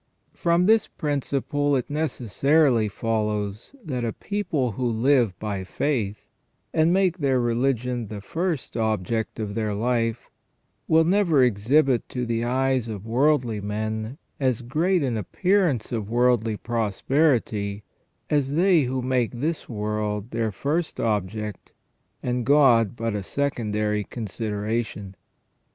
From this principle it necessarily follows that a people who live by faith and make their religion the first object of their life, will never exhibit to the eyes of worldly men as great an appearance of worldly prosperity as they who make this world their first object and God but a secondary consideration.